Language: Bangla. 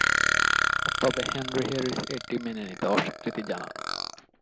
তবে হেনরি হ্যারিস এটি মেনে নিতে অস্বীকৃতি জানান।